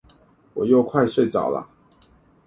我又快睡著了